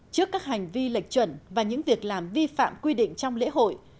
trước các hành vi lệch chuẩn và những việc làm vi phạm quy định trong lễ hội